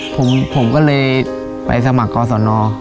ผมก็เลยไปสมัครกรสน